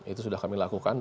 itu sudah kami lakukan